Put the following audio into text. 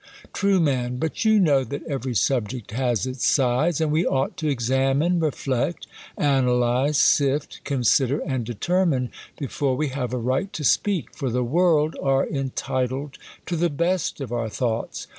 Tru, But you know that every subject has its sides ; and we ought to examine, reilect, analyze, sift, consider, nnd determine, before we have a i*ight to speak 5 for the world are entitled to the best of our thoughts.